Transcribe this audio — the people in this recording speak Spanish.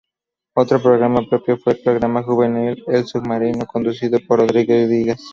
Otro programa propio fue el programa juvenil "El Submarino" conducido por Rodrigo Díaz.